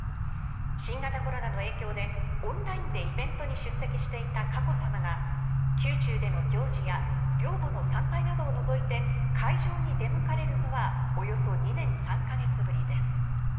新型コロナの影響でオンラインでイベントに出席していた佳子さまが宮中での行事や陵墓の参拝などを除いて会場に出向かれるのはおよそ２年３か月ぶりです。